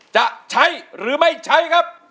จะใช้หรือไม่ใช้